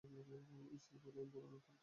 স্ত্রী বললেন, বলো না তাহলে হয়েছে কী?